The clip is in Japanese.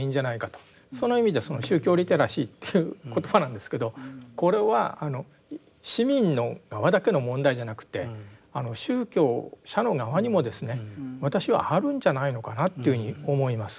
その意味でその宗教リテラシーという言葉なんですけどこれは市民の側だけの問題じゃなくて宗教者の側にもですね私はあるんじゃないのかなというふうに思います。